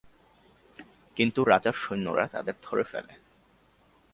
কিন্তু রাজার সৈন্যরা তাদের ধরে ফেলে।